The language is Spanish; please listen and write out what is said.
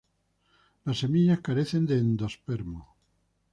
Las semillas carecen de endospermo.